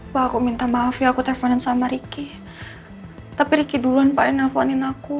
hai baru minta maaf ya aku telepon sama riki tapi riki duluan paling nelfonin aku